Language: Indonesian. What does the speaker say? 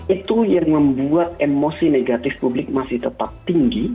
itu yang membuat emosi negatif publik masih tetap tinggi